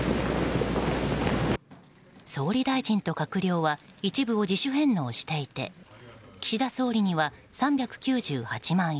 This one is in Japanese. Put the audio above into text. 総理大臣と閣僚は一部を自主返納していて岸田総理には、３９８万円。